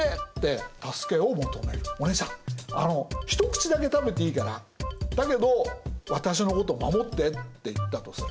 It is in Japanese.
「お姉ちゃんあの一口だけ食べていいからだけど私のこと守って」って言ったとする。